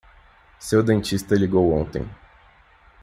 Seu dentista ligou ontem.